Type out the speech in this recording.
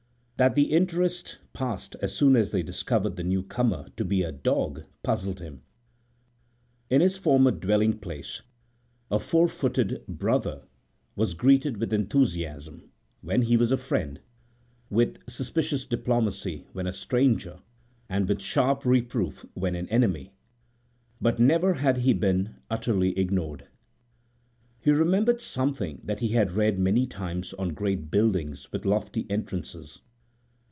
That the interest passed as soon as they discovered the new comer to be a dog puzzled him. In his former dwelling place a four footed brother was greeted with enthusiasm when he was a friend, with suspicious diplomacy when a stranger, and with sharp reproof when an enemy; but never had he been utterly ignored. He remembered something that he had read many times on great buildings with lofty entrances.